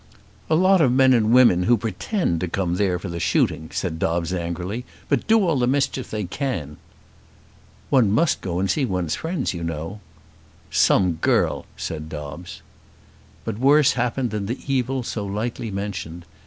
"A lot of men and women who pretend to come there for shooting," said Dobbes angrily, "but do all the mischief they can." "One must go and see one's friends, you know." "Some girl!" said Dobbes. But worse happened than the evil so lightly mentioned.